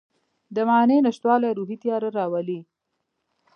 د معنی نشتوالی روحي تیاره راولي.